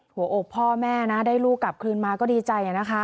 หัวอกพ่อแม่นะได้ลูกกลับคืนมาก็ดีใจนะคะ